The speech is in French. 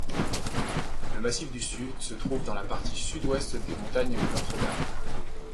Le massif du Sud se trouve dans la partie sud-ouest des montagnes Notre-Dame.